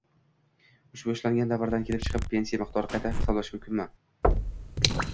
ushbu ishlagan davrdan kelib chiqib pensiya miqdori qayta hisoblash mumkinmi?